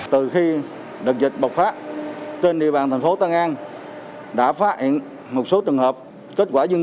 từ khi đợt dịch bộc phát trên địa bàn thành phố tân an đã phát hiện một số trường hợp kết quả dưng